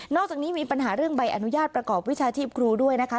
อกจากนี้มีปัญหาเรื่องใบอนุญาตประกอบวิชาชีพครูด้วยนะคะ